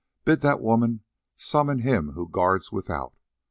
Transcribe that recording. Bid that woman summon him who guards without.